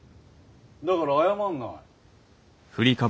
だから謝んない。